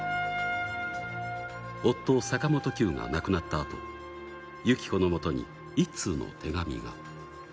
夫、坂本九が亡くなったあと、由紀子のもとに１通の手紙が。